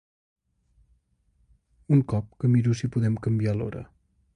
Un cop que miro si podem canviar l'hora.